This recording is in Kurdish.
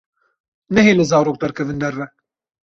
Nehêle zarok derkevin derve.